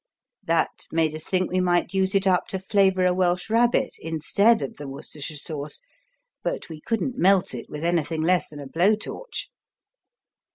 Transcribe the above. That made us think we might use it up to flavor a Welsh Rabbit, instead of the Worcestershire sauce, but we couldn't melt it with anything less than a blowtorch.